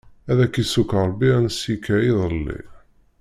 Ad k-issukk Ṛebbi ansi ikka iḍelli!